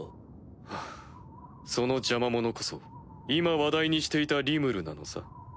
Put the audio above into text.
ハァその邪魔者こそ今話題にしていたリムルなのさ。